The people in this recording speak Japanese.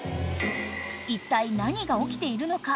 ［いったい何が起きているのか］